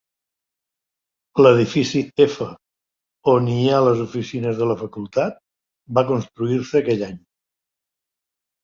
L'edifici F, on hi ha les oficines de la facultat, va construir-se aquell any.